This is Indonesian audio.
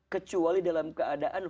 kecuali dalam keadaan